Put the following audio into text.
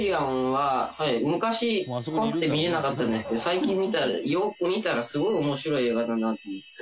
最近見たらよく見たらすごい面白い映画だなと思って。